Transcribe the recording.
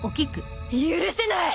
許せない！